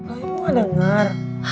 aku gak denger